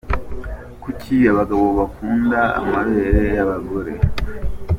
Kuki abagabo bakunda amabere y’abagore